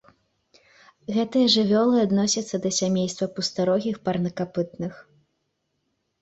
Гэтыя жывёлы адносяцца да сямейства пустарогіх парнакапытных.